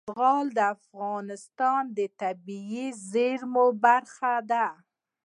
زغال د افغانستان د طبیعي زیرمو برخه ده.